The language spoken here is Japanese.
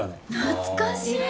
懐かしい。